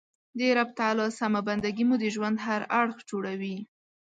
د رب تعالی سمه بنده ګي مو د ژوند هر اړخ جوړوي.